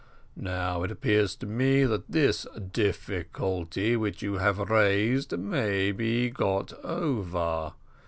Now it appears to me that this difficulty which you have raised may be got over.